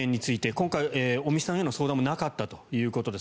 今回尾身さんへの相談もなかったということです。